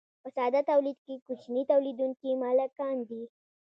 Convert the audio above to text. په ساده تولید کې کوچني تولیدونکي مالکان دي.